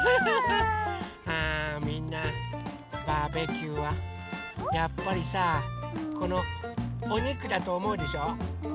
あみんなバーベキューはやっぱりさこのおにくだとおもうでしょう？